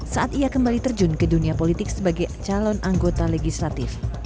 saat ia kembali terjun ke dunia politik sebagai calon anggota legislatif